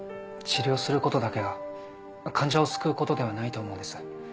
治療することだけが患者を救うことではないと思うんです。